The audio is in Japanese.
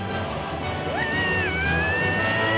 うわ！